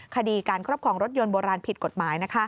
คดีการครอบครองรถยนต์โบราณผิดกฎหมาย